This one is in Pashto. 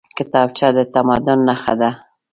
کتابچه د تمدن نښه ده